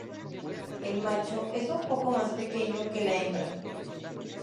El macho es un poco más pequeño que la hembra.